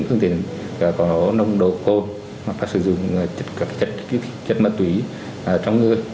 phương tiện có nồng độ cồn hoặc sử dụng chất ma túy trong người